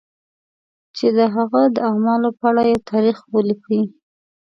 چې د هغه د اعمالو په اړه یو تاریخ ولیکي.